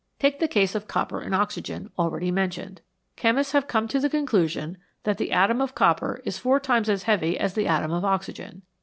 Take the case of copper and oxygen, already mentioned. Chemists have come to the conclusion that the atom of copper is four times as heavy as the atom of oxygen.